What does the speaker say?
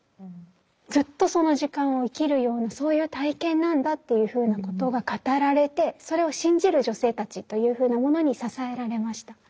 ずっとその時間を生きるようなそういう体験なんだっていうふうなことが語られてそれを信じる女性たちというふうなものに支えられました。